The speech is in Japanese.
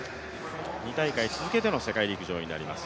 ２大会続けての世界陸上になります。